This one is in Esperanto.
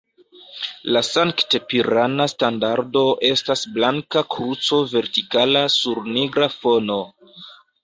La sankt-pirana standardo estas blanka kruco vertikala sur nigra fono.